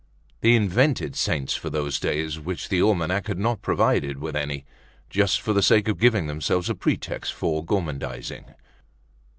They invented saints for those days which the almanac had not provided with any, just for the sake of giving themselves a pretext for gormandizing.